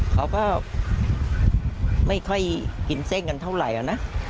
เขาก็ไม่ค่อยกินเส้นกันเท่าไหร่นะ